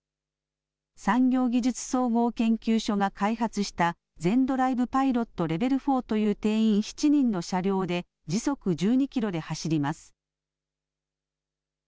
産業技術総合研究所が開発したＺＥＮｄｒｉｖｅＰｉｌｏｔＬｅｖｅｌ４という定員７人の車両で時速１２キロで走ります。